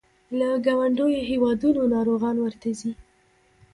له ګاونډیو هیوادونو ناروغان ورته ځي.